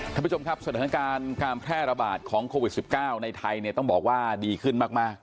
ท่านผู้ชมครับสถานการณ์การแพร่ระบาดของโควิด๑๙ในไทยเนี่ยต้องบอกว่าดีขึ้นมาก